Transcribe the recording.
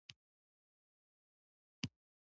سهیلا وداع له هشت صبح ورځپاڼې.